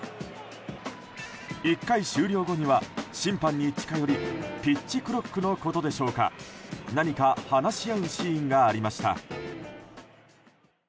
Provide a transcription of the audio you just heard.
１回終了後には審判に近寄りピッチクロックのことでしょうか何か話し合うシーンがありました。